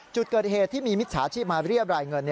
จุดเกิดเหตุที่มีมิจฉาชีพมาเรียบรายเงิน